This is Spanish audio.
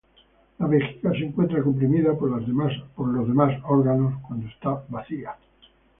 La vejiga se encuentra comprimida por los demás órganos cuando está vacía.